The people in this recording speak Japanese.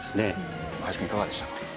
林くんいかがでしたか？